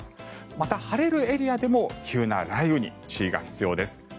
また、晴れるエリアでも急な雷雨に注意が必要です。